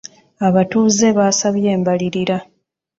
Abatuuze baasabye embalirira.